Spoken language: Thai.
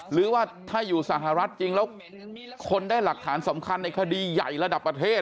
หรือว่าถ้าอยู่สหรัฐจริงแล้วคนได้หลักฐานสำคัญในคดีใหญ่ระดับประเทศ